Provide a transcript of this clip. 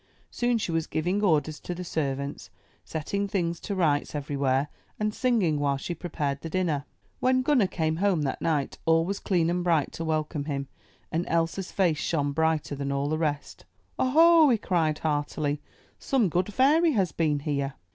Soon she was giving orders to the servants, setting things to rights everywhere and singing while she prepared the dinner. When Gunner came home that night, all was clean and bright to welcome him, and Elsa's face shone brighter than all the rest. ''0 ho! he cried heartily, ''some good fairy has been here!